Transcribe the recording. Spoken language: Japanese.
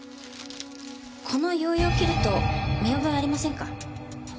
このヨーヨーキルト見覚えありませんか？